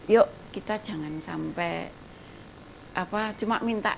yuk kita jangan sampai cuma minta